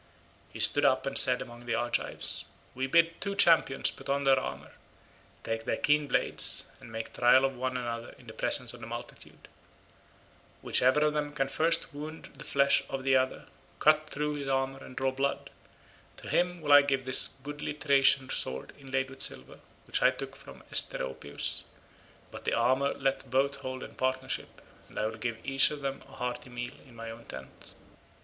He stood up and said among the Argives, "We bid two champions put on their armour, take their keen blades, and make trial of one another in the presence of the multitude; whichever of them can first wound the flesh of the other, cut through his armour, and draw blood, to him will I give this goodly Thracian sword inlaid with silver, which I took from Asteropaeus, but the armour let both hold in partnership, and I will give each of them a hearty meal in my own tent."